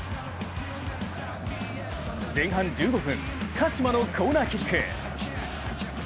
前半１５分、鹿島のコーナーキック。